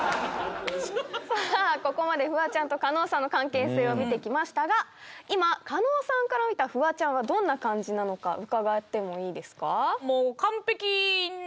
さあここまでフワちゃんと加納さんの関係性を見てきましたが今加納さんから見たフワちゃんはどんな感じなのか伺ってもいいですか？